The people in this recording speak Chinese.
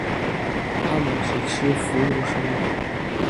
它们是吃浮游生物的。